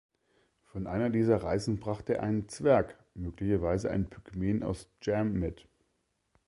Von einer dieser Reisen brachte er einen "Zwerg", möglicherweise einen Pygmäen aus Jam mit.